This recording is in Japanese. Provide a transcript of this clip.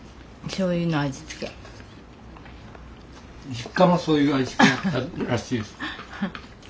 実家がそういう味付けらしいです。